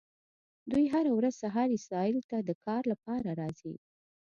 دوی هره ورځ سهار اسرائیلو ته د کار لپاره راځي.